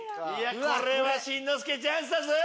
これは真之介チャンスだぞ！